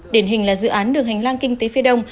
điển hình là dự án đường hành lang kinh tế phía đông